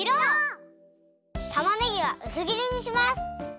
たまねぎはうすぎりにします！